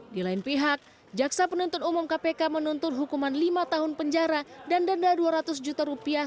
di lain pihak jaksa penuntut umum kpk menuntut hukuman lima tahun penjara dan denda dua ratus juta rupiah